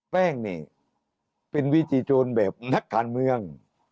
แป้งนี่เป็นวิจิโจรแบบนักการเมือง